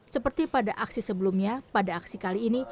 seperti pada aksi sebelumnya pada aksi kali ini